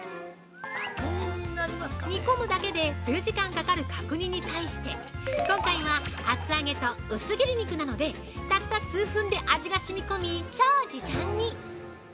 煮込むだけで数時間かかる角煮に対して今回は、厚揚げと薄切り肉なのでたった数分で味が染み込み超時短に！